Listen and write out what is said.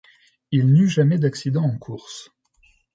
Il n'eut jamais d'accident en course.